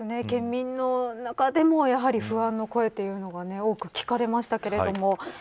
県民の中でもやはり不安の声というのが多く聞かれましたけれども。